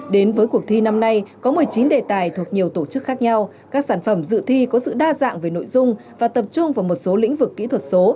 đến với cuộc thi năm nay có một mươi chín đề tài thuộc nhiều tổ chức khác nhau các sản phẩm dự thi có sự đa dạng về nội dung và tập trung vào một số lĩnh vực kỹ thuật số